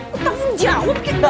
kau tahu jawab kita